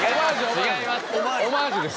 違います